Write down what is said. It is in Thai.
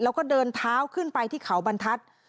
แล้วก็เดินเท้าขึ้นไปที่เขาบรรทัศน์